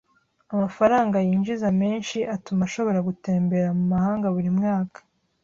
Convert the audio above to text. Amafaranga yinjiza menshi atuma ashobora gutembera mu mahanga buri mwaka.